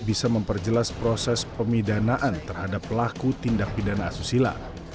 bisa memperjelas proses pemidanaan terhadap pelaku tindak pidana asusila